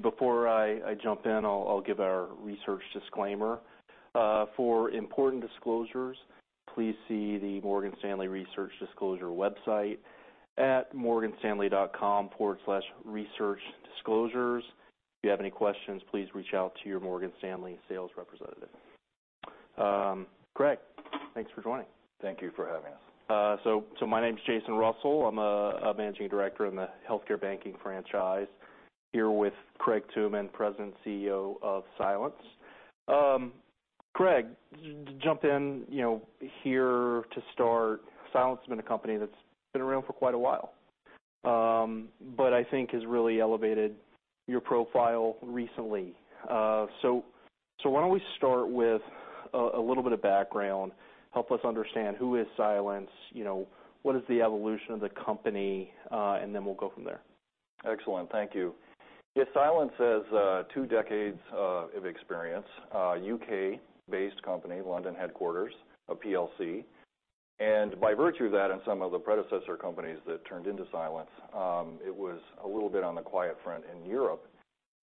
Great. Thanks everyone for joining. Maybe before I jump in, I'll give our research disclaimer. For important disclosures, please see the Morgan Stanley research disclosure website at morganstanley.com/researchdisclosures. If you have any questions, please reach out to your Morgan Stanley sales representative. Craig, thanks for joining. Thank you for having us. My name's Jason Russell. I'm a managing director in the healthcare banking franchise here with Craig Tooman, President and CEO of Silence. Craig, jump in here to start. Silence has been a company that's been around for quite a while, but I think has really elevated your profile recently. Why don't we start with a little bit of background. Help us understand who Silence is what is the evolution of the company, and then we'll go from there. Excellent. Thank you. Yeah, Silence has two decades of experience, a UK-based company, London headquarters, a PLC. By virtue of that and some of the predecessor companies that turned into Silence, it was a little bit on the quiet front in Europe.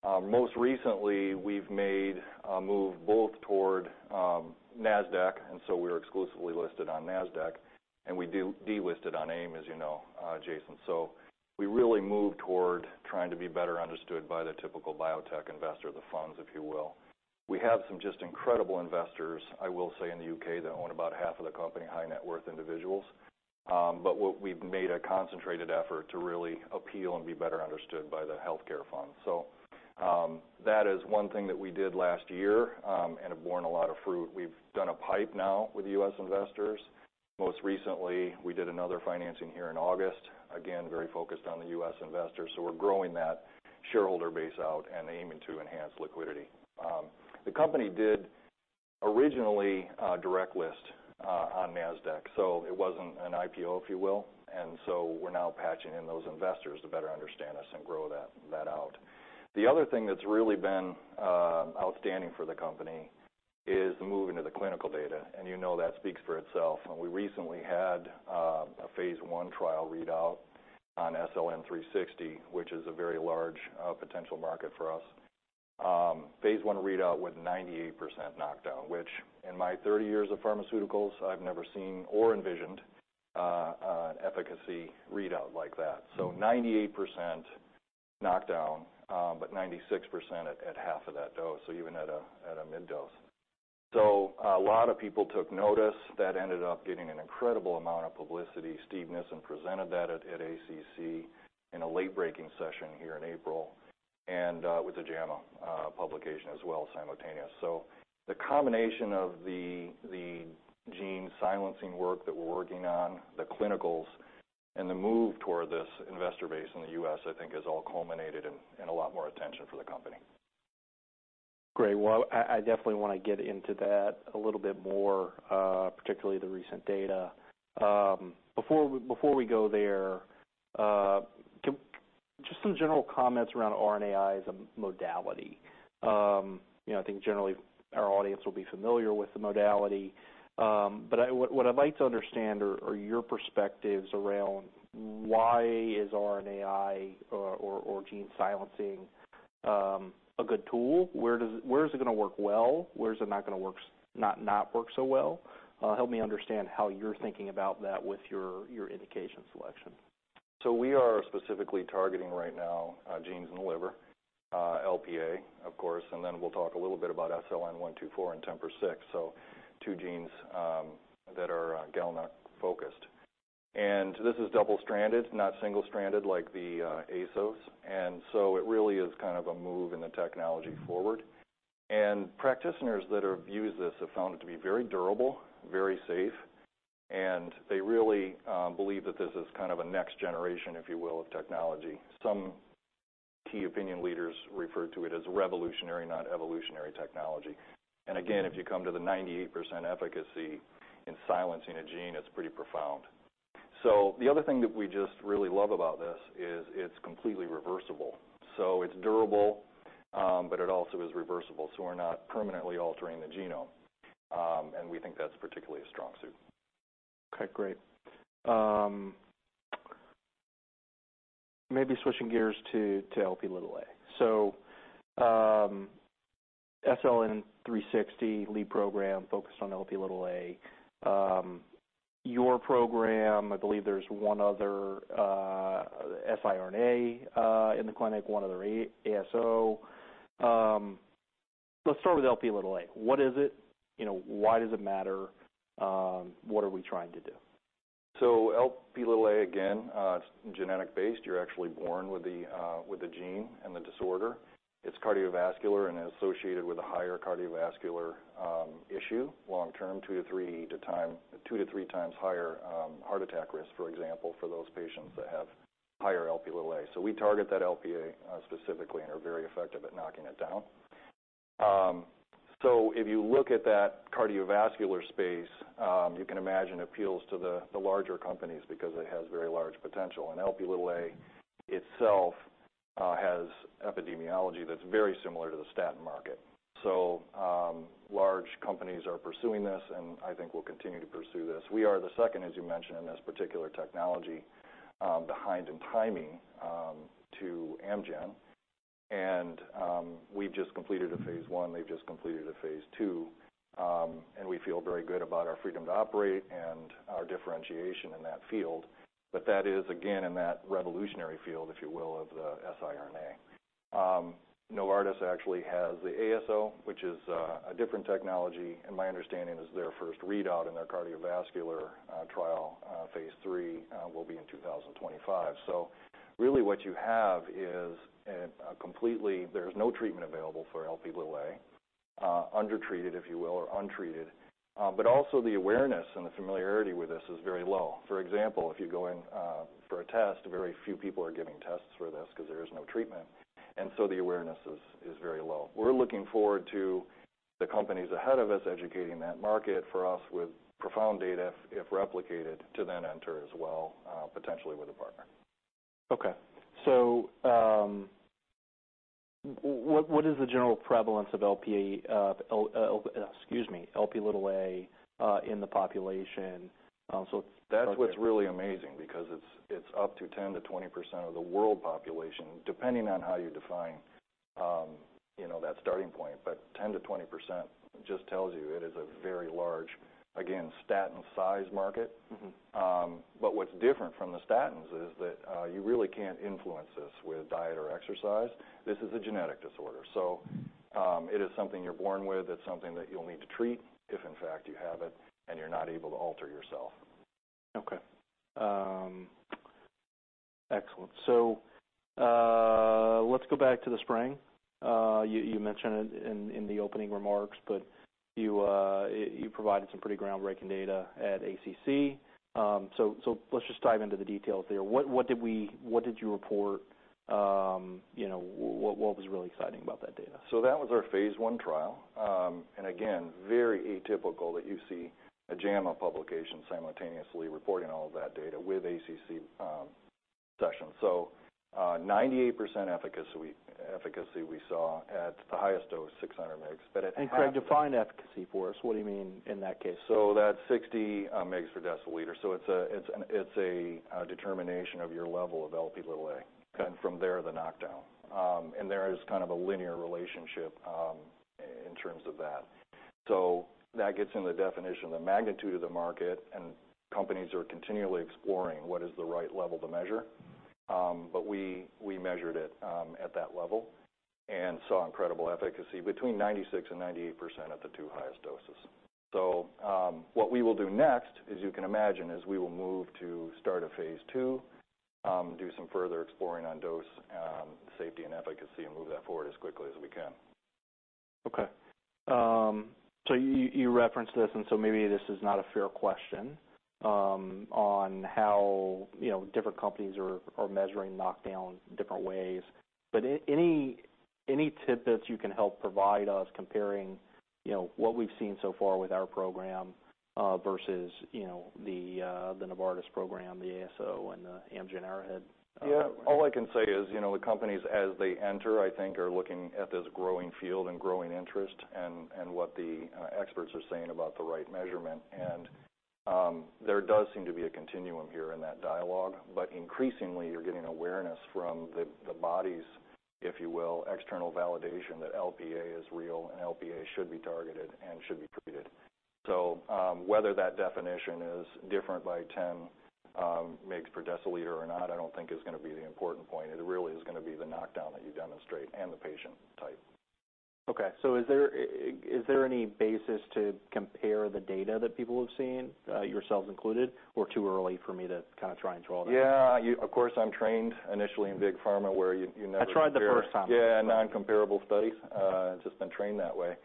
Most recently, we've made a move both toward Nasdaq, and we're exclusively listed on Nasdaq, and we delisted on AIM, as Jason. We really moved toward trying to be better understood by the typical biotech investor, the funds, if you will. We have some just incredible investors, I will say, in the UK that own about half of the company, high-net-worth individuals. What we've made a concentrated effort to really appeal and be better understood by the healthcare fund. That is one thing that we did last year and have borne a lot of fruit. We've done a PIPE now with U.S. investors. Most recently, we did another financing here in August, again, very focused on the U.S. investors. We're growing that shareholder base out and aiming to enhance liquidity. The company did originally direct listing on Nasdaq, so it wasn't an IPO, if you will. We're now patching in those investors to better understand us and grow that out. The other thing that's really been outstanding for the company is the move into the clinical data, and you know that speaks for itself. We recently had a Phase I trial readout on SLN360, which is a very large potential market for us. Phase I readout with 98% knockdown, which in my 30 years of pharmaceuticals, I've never seen or envisioned an efficacy readout like that. 98% knockdown, but 96% at half of that dose, so even at a mid dose. A lot of people took notice. That ended up getting an incredible amount of publicity. Steve Nissen presented that at ACC in a late-breaking session here in April and with the JAMA publication as well, simultaneous. The combination of the gene silencing work that we're working on, the clinicals, and the move toward this investor base in the U.S. I think has all culminated in a lot more attention for the company. Great. Well, I definitely want to get into that a little bit more, particularly the recent data. Before we go there, just some general comments around RNAi as a modality. I think generally our audience will be familiar with the modality. What I'd like to understand are your perspectives around why is RNAi or gene silencing a good tool? Where is it going to work well? Where is it not going to work so well? Help me understand how you're thinking about that with your indication selection. We are specifically targeting right now genes in the liver, Lp(a), of course, and then we'll talk a little bit about SLN124 and TMPRSS6, two genes that are GalNAc focused. This is double-stranded, not single-stranded like the ASOs. It really is kind of a move in the technology forward. Practitioners that have used this have found it to be very durable, very safe, and they really believe that this is kind of a next generation, if you will, of technology. Some key opinion leaders refer to it as revolutionary, not evolutionary technology. Again, if you come to the 98% efficacy in silencing a gene, it's pretty profound. The other thing that we just really love about this is it's completely reversible. It's durable, but it also is reversible, so we're not permanently altering the genome. We think that's particularly a strong suit. Okay, great. Maybe switching gears to Lp(a). SLN360 lead program focused on Lp(a). Your program, I believe there's one other siRNA in the clinic, one other ASO. Let's start with Lp(a). What is it? Why does it matter? What are we trying to do? Lp(a), again, it's genetic based. You're actually born with the gene and the disorder. It's cardiovascular and associated with a higher cardiovascular issue long term, two to three times higher heart attack risk, for example, for those patients that have higher Lp(a). We target that Lp(a) specifically and are very effective at knocking it down. If you look at that cardiovascular space, you can imagine it appeals to the larger companies because it has very large potential. Lp(a) itself has epidemiology that's very similar to the statin market. Large companies are pursuing this and I think will continue to pursue this. We are the second, as you mentioned, in this particular technology, behind in timing, to Amgen and, we've just completed a Phase I, they've just completed a Phase II. We feel very good about our freedom to operate and our differentiation in that field. That is again, in that revolutionary field, if you will, of the siRNA. Novartis actually has the ASO, which is, a different technology, and my understanding is their first readout in their cardiovascular, trial, Phase III, will be in 2025. Really what you have is, and completely there's no treatment available for Lp(a), undertreated, if you will, or untreated. Also the awareness and the familiarity with this is very low. For example, if you go in for a test, very few people are getting tests for this 'cause there is no treatment, and so the awareness is very low. We're looking forward to the companies ahead of us educating that market for us with profound data, if replicated, to then enter as well, potentially with a partner. What is the general prevalence of Lp(a) in the population? That's what's really amazing because it's up to 10%-20% of the world population, depending on how you define that starting point. 10%-20% just tells you it is a very large, again, statin size market. Mm-hmm. What's different from the statins is that, you really can't influence this with diet or exercise. This is a genetic disorder. It is something you're born with. It's something that you'll need to treat if in fact you have it and you're not able to alter yourself. Okay. Excellent. Let's go back to the spring. You mentioned it in the opening remarks, but you provided some pretty groundbreaking data at ACC. Let's just dive into the details there. What did you report? What was really exciting about that data? That was our Phase I trial. Again, very atypical that you see a JAMA publication simultaneously reporting all of that data with ACC session. 98% efficacy we saw at the highest dose, 600 mg. It Craig, define efficacy for us. What do you mean in that case? That's 60 mgs per deciliter. It's a determination of your level of Lp(a). Okay. From there, the knockdown. There is kind of a linear relationship in terms of that. That gets into the definition of the magnitude of the market. Companies are continually exploring what is the right level to measure. But we measured it at that level and saw incredible efficacy between 96%-98% at the two highest doses. What we will do next, as you can imagine, is we will move to start a Phase II, do some further exploring on dose, safety and efficacy, and move that forward as quickly as we can. Okay. You referenced this, and maybe this is not a fair question on how different companies are measuring knockdown different ways. But any tidbits you can help provide us comparing what we've seen so far with our program versus the Novartis program, the ASO and the Amgen/Arrowhead program. Yeah. All I can say is the companies, as they enter, I think are looking at this growing field and growing interest and what the experts are saying about the right measurement. There does seem to be a continuum here in that dialogue. Increasingly you're getting awareness from the bodies, if you will, external validation that Lp(a) is real and Lp(a) should be targeted and should be treated. Whether that definition is different by 10 mgs per deciliter or not, I don't think is going to be the important point. It really is going to be the knockdown that you demonstrate and the patient type. Okay. Is there any basis to compare the data that people have seen, yourselves included, or too early for me to kind of try and draw that? Of course, I'm trained initially in big pharma, where you never- I tried the first time. Yeah, non-comparable studies. Just been trained that way.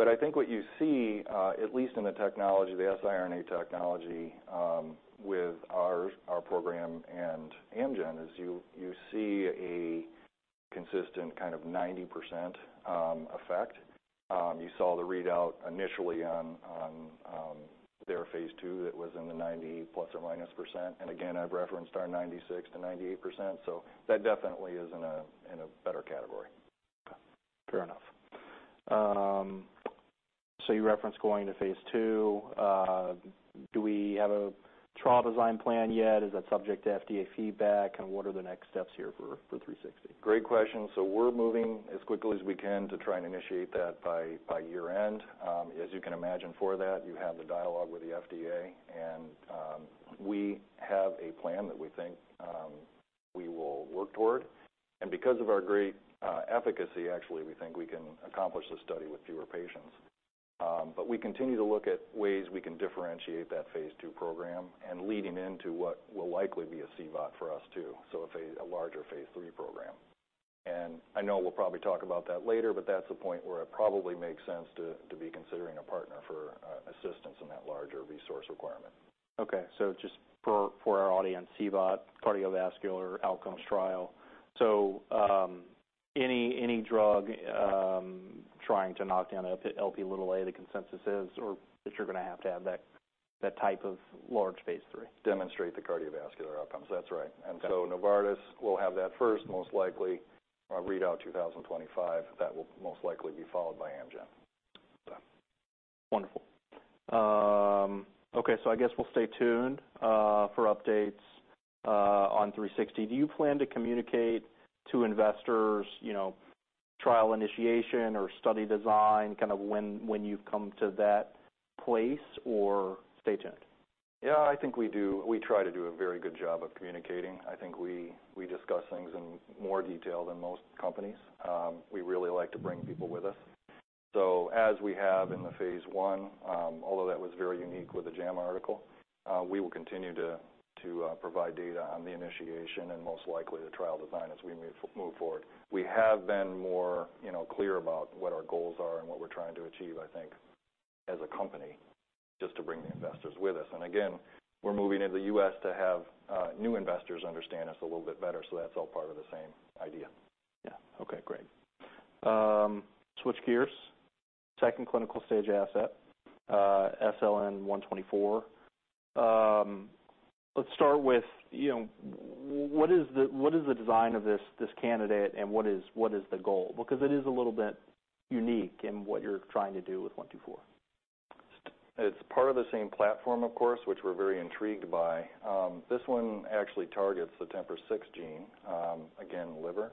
I think what you see, at least in the technology, the siRNA technology, with our program and Amgen, is you see a consistent kind of 90% effect. You saw the readout initially on their Phase II. That was in the 90% ±. Again, I've referenced our 96%-98%, so that definitely is in a better category. Fair enough. You referenced going to Phase II. Do we have a trial design plan yet? Is that subject to FDA feedback? What are the next steps here for 360? Great question. We're moving as quickly as we can to try and initiate that by year-end. As you can imagine for that, you have the dialogue with the FDA, and we have a plan that we think we will work toward. Because of our great efficacy, actually, we think we can accomplish this study with fewer patients. But we continue to look at ways we can differentiate that Phase II program and leading into what will likely be a CVOT for us too. A larger Phase III program. I know we'll probably talk about that later, but that's the point where it probably makes sense to be considering a partner for assistance in that larger resource requirement. Okay. Just for our audience, CVOT, cardiovascular outcomes trial. Any drug trying to knock down Lp(a), the consensus is or that you're going to have to have that type of large Phase III. Demonstrate the cardiovascular outcomes. That's right. Okay. Novartis will have that first, most likely, readout 2025. That will most likely be followed by Amgen. Wonderful. Okay. I guess we'll stay tuned for updates on 360. Do you plan to communicate to investors trial initiation or study design kind of when you've come to that place or stay tuned? Yeah, I think we do. We try to do a very good job of communicating. I think we discuss things in more detail than most companies. We really like to bring people with us. As we have in the Phase I, although that was very unique with the JAMA article, we will continue to provide data on the initiation and most likely the trial design as we move forward. We have been more clear about what our goals are and what we're trying to achieve, I think, as a company, just to bring the investors with us. Again, we're moving into the U.S. to have new investors understand us a little bit better. That's all part of the same idea. Yeah. Okay, great. Switch gears. Second clinical stage asset, SLN124. Let's start with what is the design of this candidate, and what is the goal? Because it is a little bit unique in what you're trying to do with 124. It's part of the same platform, of course, which we're very intrigued by. This one actually targets the TMPRSS6 gene, again, liver,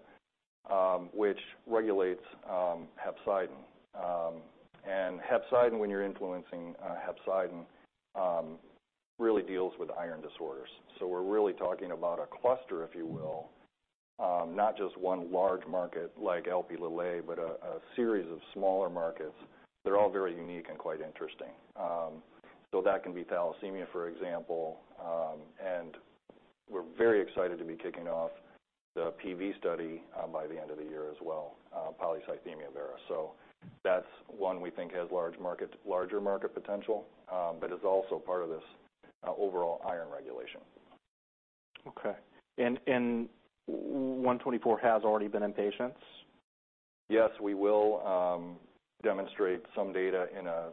which regulates hepcidin. Hepcidin, when you're influencing hepcidin, really deals with iron disorders. We're really talking about a cluster, if you will. Not just one large market like Lp(a), but a series of smaller markets. They're all very unique and quite interesting. That can be thalassemia, for example. We're very excited to be kicking off the PV study by the end of the year as well, polycythemia vera. That's one we think has larger market potential, but is also part of this overall iron regulation. Okay. 124 has already been in patients? Yes. We will demonstrate some data in a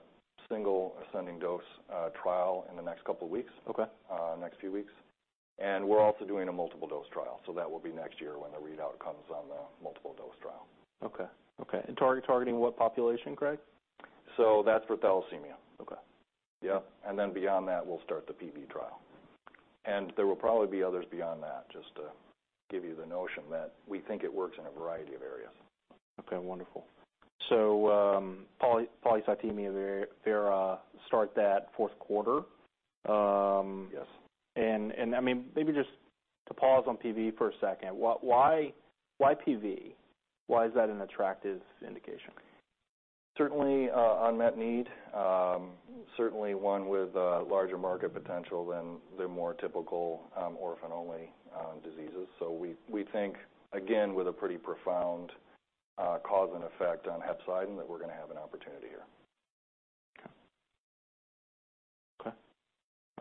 single ascending dose trial in the next couple weeks. Okay. Next few weeks. We're also doing a multiple dose trial, so that will be next year when the readout comes on the multiple dose trial. Okay. Targeting what population, Craig? That's for thalassemia. Okay. Yeah. Beyond that, we'll start the PV trial. There will probably be others beyond that, just to give you the notion that we think it works in a variety of areas. Okay, wonderful. Polycythemia vera start that Q4. Yes. I mean, maybe just to pause on PV for a second. Why PV? Why is that an attractive indication? Certainly, unmet need. Certainly one with a larger market potential than the more typical, orphan-only, diseases. We think, again, with a pretty profound, cause and effect on hepcidin that we're going to have an opportunity here.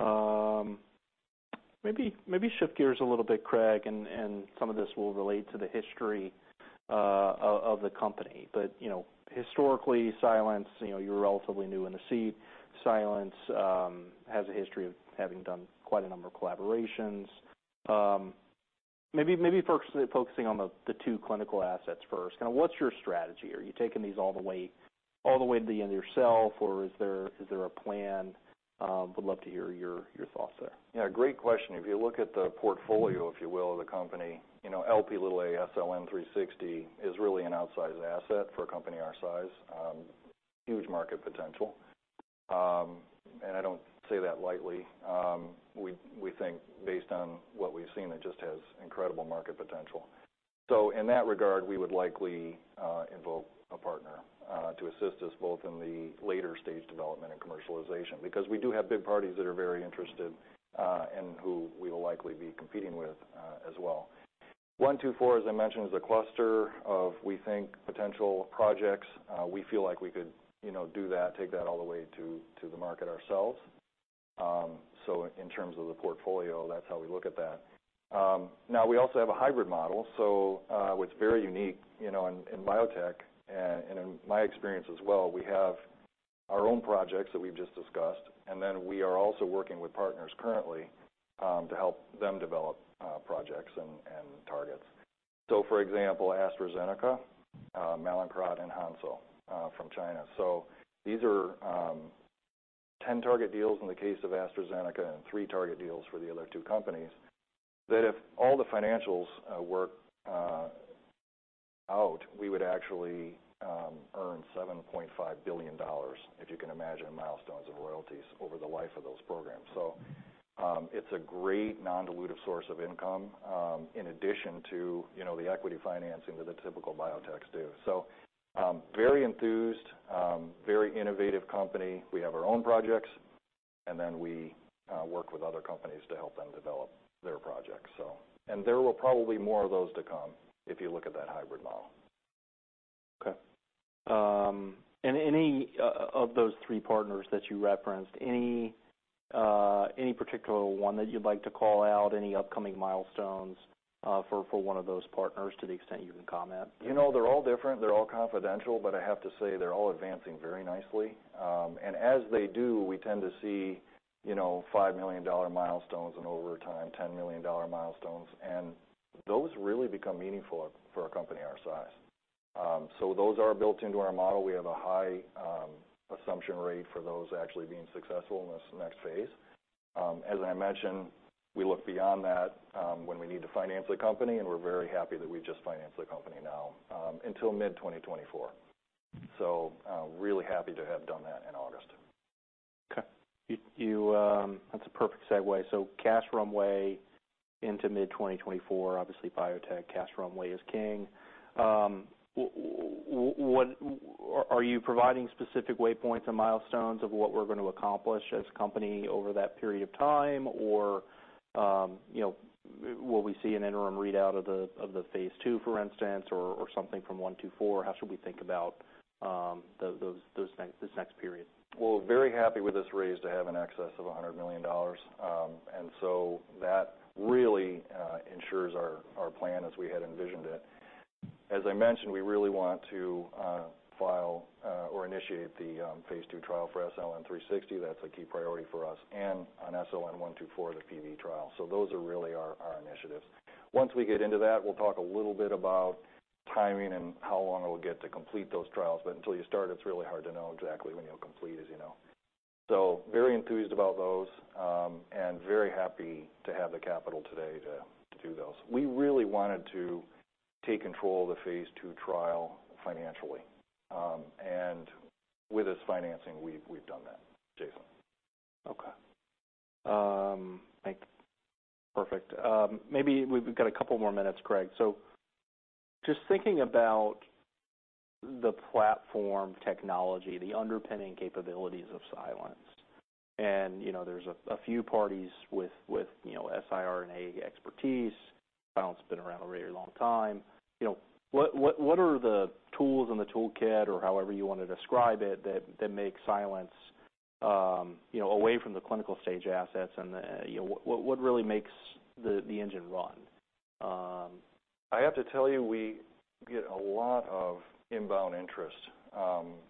Okay. Maybe shift gears a little bit, Craig, and some of this will relate to the history of the company. Historically, silence you're relatively new in the seat. Silence has a history of having done quite a number of collaborations. Maybe first focusing on the two clinical assets first. Kind of what's your strategy? Are you taking these all the way to the end yourself, or is there a plan? Would love to hear your thoughts there. Yeah, great question. If you look at the portfolio, if you will, of the company Lp(a), SLN360 is really an outsized asset for a company our size. Huge market potential. I don't say that lightly. We think based on what we've seen, it just has incredible market potential. In that regard, we would likely involve a partner to assist us both in the later stage development and commercialization, because we do have big partners that are very interested and who we will likely be competing with as well. SLN124, as I mentioned, is a cluster of, we think, potential projects. We feel like we could do that, take that all the way to the market ourselves. In terms of the portfolio, that's how we look at that. Now we also have a hybrid model. What's very unique in biotech and in my experience as well, we have our own projects that we've just discussed, and then we are also working with partners currently to help them develop projects and targets. For example, AstraZeneca, Mallinckrodt, and Hansoh from China. These are 10 target deals in the case of AstraZeneca and three target deals for the other two companies, that if all the financials work out, we would actually earn $7.5 billion, if you can imagine the milestones and royalties over the life of those programs. It's a great non-dilutive source of income in addition to the equity financing that the typical biotechs do. Very enthused, very innovative company. We have our own projects, and then we work with other companies to help them develop their projects, so. There will probably more of those to come if you look at that hybrid model. Okay. Any of those three partners that you referenced, any particular one that you'd like to call out? Any upcoming milestones for one of those partners to the extent you can comment? They're all different, they're all confidential, but I have to say they're all advancing very nicely. As they do, we tend to see $5 million milestones and over time, $10 million milestones. Those really become meaningful for a company our size. Those are built into our model. We have a high assumption rate for those actually being successful in this next Phase. As I mentioned, we look beyond that, when we need to finance the company, and we're very happy that we just financed the company now, until mid-2024. Really happy to have done that in August. Okay. That's a perfect segue. Cash runway into mid-2024, obviously biotech cash runway is king. Are you providing specific waypoints and milestones of what we're going to accomplish as a company over that period of time? or will we see an interim readout of the Phase II, for instance, or something from one to four? How should we think about this next period? Well, very happy with this raise to have in excess of $100 million. That really ensures our plan as we had envisioned it. As I mentioned, we really want to file or initiate the Phase II trial for SLN360. That's a key priority for us. And on SLN124, the PV trial. Those are really our initiatives. Once we get into that, we'll talk a little bit about timing and how long it'll get to complete those trials, but until you start, it's really hard to know exactly when you'll complete, as you know. Very enthused about those, and very happy to have the capital today to do those. We really wanted to take control of the Phase II trial financially. With this financing, we've done that, Jason. Okay. Perfect. Maybe we've got a couple more minutes, Craig. Just thinking about the platform technology, the underpinning capabilities of Silence, and there's a few parties with siRNA expertise. Silence been around a very long time. What are the tools in the toolkit or however you want to describe it, that make silence apart from the clinical stage assets and what really makes the engine run? I have to tell you, we get a lot of inbound interest,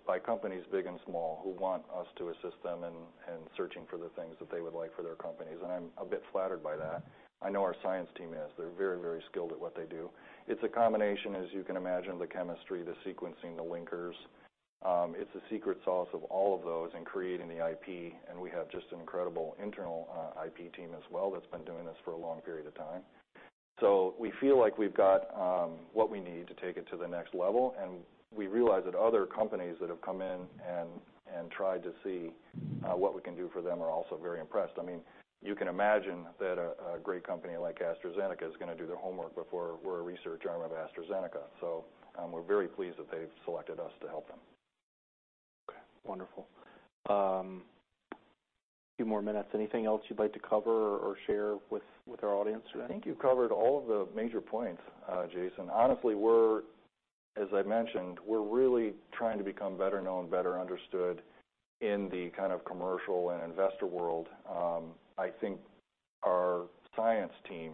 by companies big and small, who want us to assist them in searching for the things that they would like for their companies, and I'm a bit flattered by that. I know our science team is. They're very skilled at what they do. It's a combination, as you can imagine, the chemistry, the sequencing, the linkers. It's a secret sauce of all of those in creating the IP, and we have just an incredible internal IP team as well that's been doing this for a long period of time. We feel like we've got what we need to take it to the next level, and we realize that other companies that have come in and tried to see what we can do for them are also very impressed. I mean, you can imagine that a great company like AstraZeneca is going to do their homework before we're a research arm of AstraZeneca. We're very pleased that they've selected us to help them. Okay. Wonderful. Few more minutes. Anything else you'd like to cover or share with our audience today? I think you've covered all of the major points, Jason. Honestly, as I mentioned, we're really trying to become better known, better understood in the kind of commercial and investor world. I think our science team,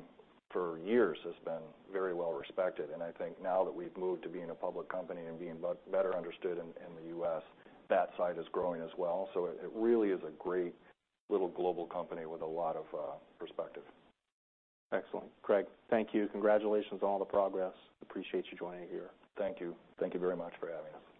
for years, has been very well respected, and I think now that we've moved to being a public company and being better understood in the US, that side is growing as well. It really is a great little global company with a lot of perspective. Excellent. Craig, thank you. Congratulations on all the progress. Appreciate you joining here. Thank you. Thank you very much for having us. Thank you.